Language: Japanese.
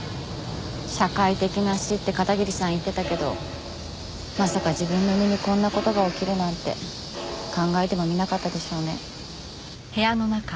社会的な死って片桐さん言ってたけどまさか自分の身にこんな事が起きるなんて考えてもみなかったでしょうね。